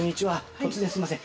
突然すみません。